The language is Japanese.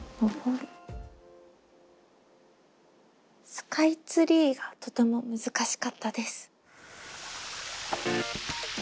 「スカイツリー」がとても難しかったです。